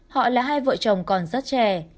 họ là hai vợ chồng còn rất trẻ